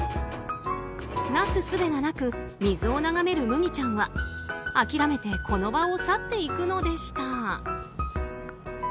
なすすべがなく水を眺めるムギちゃんは諦めてこの場を去っていくのでした。